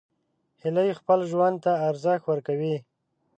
هیلۍ خپل ژوند ته ارزښت ورکوي